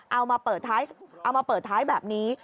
เอามาเปิดท้ายแบบนี้